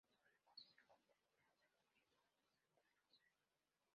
Sobre la costa se encuentra emplazado el pueblo de Santa Rosalía.